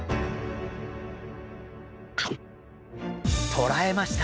捕らえました。